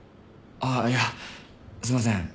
あっいやすいません。